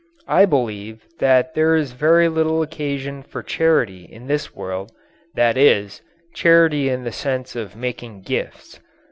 I believe that there is very little occasion for charity in this world that is, charity in the sense of making gifts.